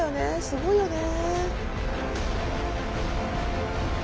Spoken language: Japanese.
すごいよね。